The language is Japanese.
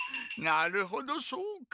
なるほどそうか。